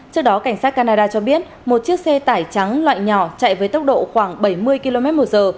trước đó cảnh sát canada cho biết một chiếc xe tải trắng loại nhỏ chạy với tốc độ khoảng bảy mươi km một giờ